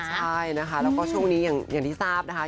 ใช่นะคะแล้วก็ช่วงนี้อย่างที่ทราบนะคะ